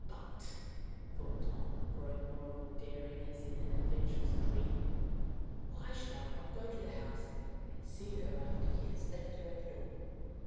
"But," thought Tom, growing more and more daring as in an adventurous dream, "why should I not go to the house, and see her after he has left her at the door?"